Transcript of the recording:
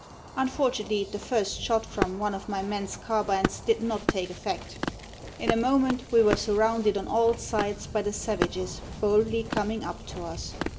Unfortunately, the first shot from one of my men's carbines did not take effect ; in a moment we were surrounded on all sides by the savages boldly coming up to us.